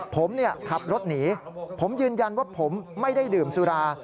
ผมขับรถหนีผมยืนยันว่าผมไม่ได้ดื่มสุรา